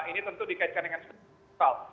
ini tentu dikaitkan dengan spesial